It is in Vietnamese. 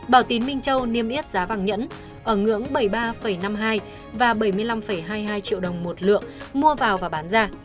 bảo tín minh châu niêm yết giá vàng nhẫn ở ngưỡng bảy mươi ba năm mươi hai và bảy mươi năm hai mươi hai triệu đồng một lượng mua vào và bán ra